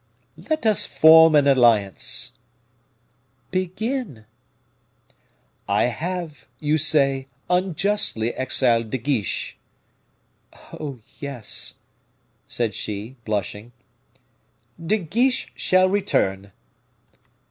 "Let us form an alliance." "Begin." "I have, you say, unjustly exiled De Guiche." "Oh! yes," said she, blushing. "De Guiche shall return."